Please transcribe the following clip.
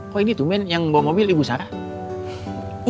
kok ini tumen yang bawa mobil ibu sarah